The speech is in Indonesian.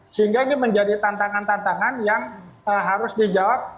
sehingga ini menjadi tantangan tantangan yang harus dijawab